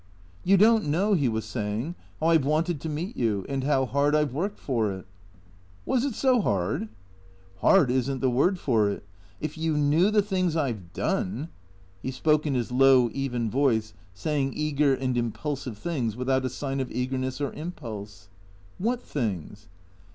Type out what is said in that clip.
" You don't know," he was saying, " how I 've wanted to meet you, and how hard I 've worked for it." " Was it so hard ?"" Hard is n't the word for it. If you knew the things I 've done " He spoke in his low, even voice, saying eager and impulsive things without a sign of eagerness or impulse. " What things